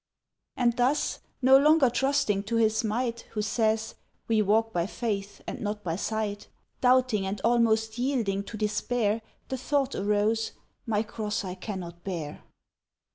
And thus, no longer trusting to his might Who says, "We walk by faith and not by sight," Doubting, and almost yielding to despair, The thought arose, "My cross I cannot bear.